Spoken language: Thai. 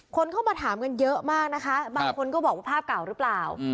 คนเข้ามาถามกันเยอะมากนะคะบางคนก็บอกว่าภาพเก่าหรือเปล่า